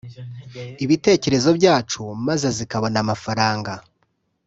ibitekerezo byacu maze zikabona amafaranga